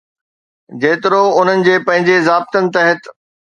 جيترو انهن جي پنهنجي ضابطن تحت.